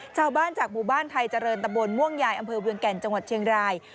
ชาวบ้านจากหมู่บ้านไทยเจริญตะบนม่วงยายอำเภอเวียงแก่นจังหวัดเชียงราย